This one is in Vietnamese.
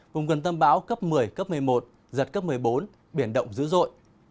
vùng gần tâm bão cấp một mươi cấp một mươi một giật cấp một mươi bốn biển động dữ dội